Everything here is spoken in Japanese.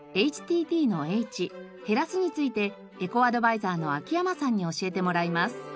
ＨＴＴの「Ｈ」「へらす」についてエコアドバイザーの秋山さんに教えてもらいます。